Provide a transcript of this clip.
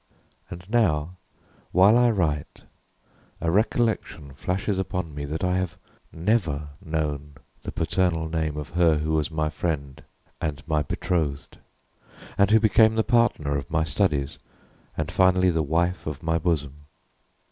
And now, while I write, a recollection flashes upon me that I have never known the paternal name of her who was my friend and my bethrothed, and who became the partner of my studies, and finally the wife of my bosom.